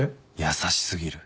優し過ぎる